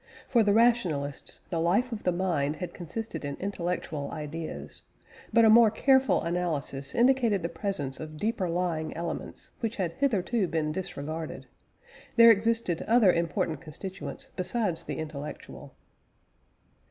For the rationalists, the life of the mind had consisted in intellectual ideas; but a more careful analysis indicated the presence of deeper lying elements, which had hitherto been disregarded; there existed other important constituents besides the intellectual.